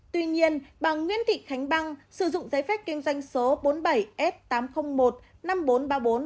tuy nhiên bà nguyễn thị khánh băng sử dụng giấy phép kinh doanh số bốn mươi bảy f tám trăm linh một năm nghìn bốn trăm ba mươi bốn